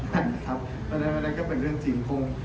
ถ้าผมโกหกผมให้๑๐เอาะเลยเพราะว่าผมไม่ได้โกหก